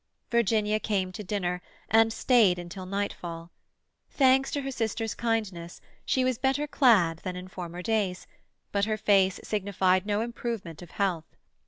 Virginia came to dinner, and stayed until nightfall. Thanks to her sister's kindness, she was better clad than in former days, but her face signified no improvement of health.